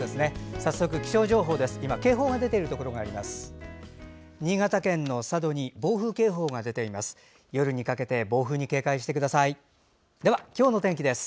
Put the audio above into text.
早速、気象情報です。